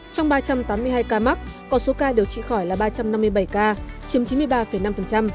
trong ba trăm tám mươi hai ca mắc còn số ca điều trị khỏi là ba trăm năm mươi bảy ca chiếm chín mươi ba năm